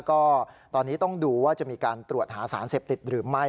ก็ตอนนี้ต้องดูว่าจะมีการตรวจหาสารเสพติดหรือไม่